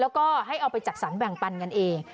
แล้วก็ให้เอาไปจัดสรรแบ่งปันกันเอง